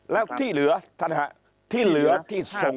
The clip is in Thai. แล้วที่เหลือท่านฮะที่เหลือที่ส่ง